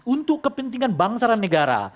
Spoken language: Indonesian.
untuk kepentingan bangsa dan negara